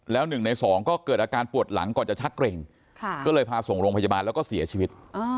แล้ว๑ใน๒ก็เกิดอาการปวดหลังก่อนจะชักเกร็งก็เลยพาส่งโรงพยาบาลแล้วก็เสียชีวิต